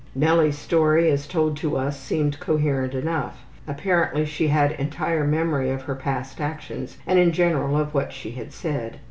Nellie's story as told to us seemed coherent enough. Apparently she had entire memory of her past actions and, in general, of what she had said.